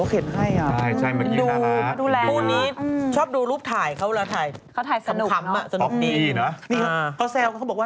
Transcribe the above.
้พวกนี้ชอบดูรูปถ่ายเค้า